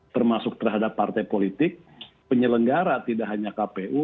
termasuk terhadap partai politik penyelenggara tidak hanya kpu